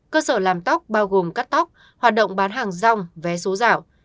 cơ sở làm tóc bao gồm cắt tóc hoạt động bán hàng rong vé số dạo